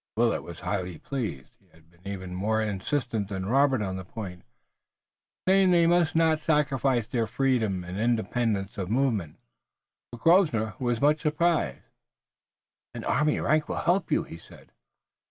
Willet was highly pleased. He had been even more insistent than Robert on the point, saying they must not sacrifice their freedom and independence of movement, but Grosvenor was much surprised. "An army rank will help you," he said.